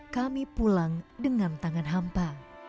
kami pulang dengan tangan hampa